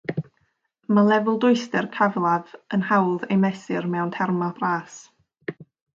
Mae lefel dwyster cyfalaf yn hawdd ei mesur mewn termau bras.